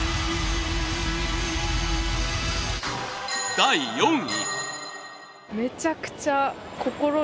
第４位。